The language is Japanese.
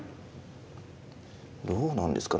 どうなんですかね。